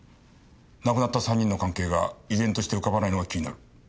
亡くなった３人の関係が依然として浮かばないのが気になる。